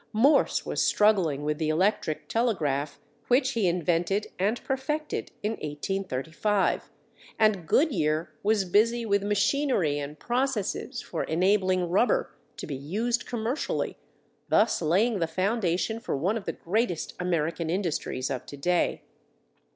Morse was struggling with the electric telegraph which he invented and perfected in 1835, and Goodyear was busy with machinery and processes for enabling rubber to be used commercially, thus laying the foundation for one of the greatest American industries of to day.